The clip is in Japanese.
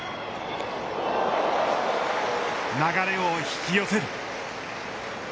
流れを引き寄せる。